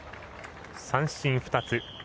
三振２つ。